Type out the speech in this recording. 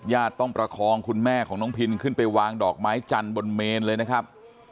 ต้องประคองคุณแม่ของน้องพินขึ้นไปวางดอกไม้จันทร์บนเมนเลยนะครับ